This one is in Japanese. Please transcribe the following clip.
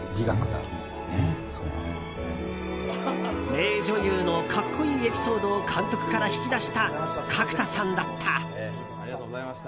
名女優の格好いいエピソードを監督から引き出した角田さんだった。